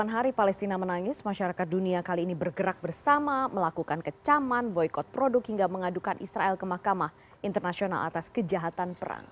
delapan hari palestina menangis masyarakat dunia kali ini bergerak bersama melakukan kecaman boykot produk hingga mengadukan israel ke mahkamah internasional atas kejahatan perang